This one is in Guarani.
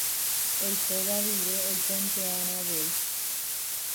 Oikóva guive oikonte'arãvoi